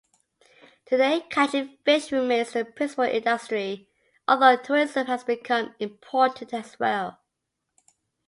Today, catching fish remains the principal industry, although tourism has become important as well.